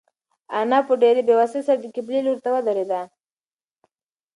انا په ډېرې بېوسۍ سره د قبلې لوري ته ودرېده.